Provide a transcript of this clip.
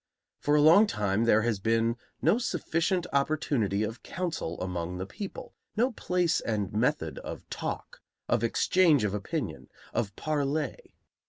For a long time there has been no sufficient opportunity of counsel among the people; no place and method of talk, of exchange of opinion, of parley.